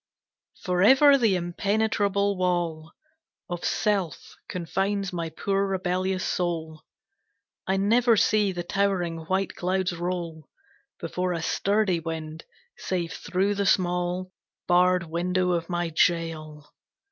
Forever the impenetrable wall Of self confines my poor rebellious soul, I never see the towering white clouds roll Before a sturdy wind, save through the small Barred window of my jail.